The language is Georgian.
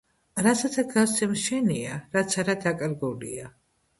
რასაცა გასცემ შენია, რაც არა დაკარგული